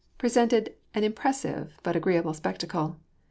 813 presented an impressive but agreeable spectacle.